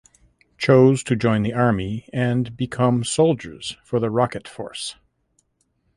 Chose to join the army and become soldiers for the rocket force.